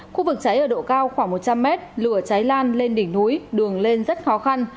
khu vực cháy ở độ cao khoảng một trăm linh mét lửa cháy lan lên đỉnh núi đường lên rất khó khăn